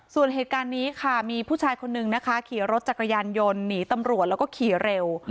ส่วนเหตุการณ์นี้ค่ะมีผู้ชายคนนึงนะคะขี่รถจักรยานยนต์หนีตำรวจแล้วก็ขี่เร็ว